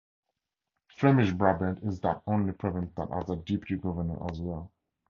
Flemish Brabant is that only province that has a Deputy Governor as well.